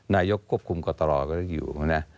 นายยกครบคุมกฎาลอก็อยู่